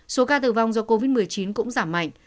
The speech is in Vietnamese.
số ca tử vong do covid một mươi chín cũng giảm mạnh